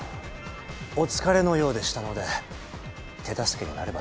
お疲れのようでしたので手助けになればと思い。